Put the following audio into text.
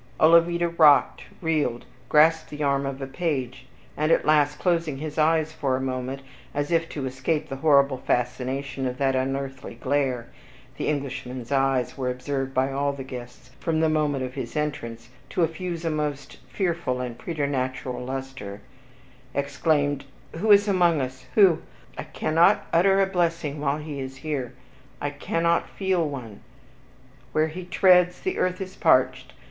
Olavida rocked, reeled, grasped the arm of a page, and at last, closing his eyes for a moment, as if to escape the horrible fascination of that unearthly glare (the Englishman's eyes were observed by all the guests, from the moment of his entrance, to effuse a most fearful and preternatural luster), exclaimed, "Who is among us? Who? I cannot utter a blessing while he is here. I cannot feel one. Where he treads, the earth is parched!